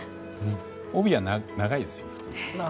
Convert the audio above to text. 帯は長いですよ。